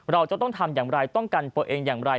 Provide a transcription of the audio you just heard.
เราจะต้องทำอย่างไรป้องกันตัวเองอย่างไร